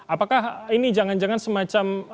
apakah ini jangan jangan semacam